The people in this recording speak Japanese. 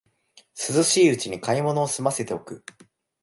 涼しいうちに買い物をすませておく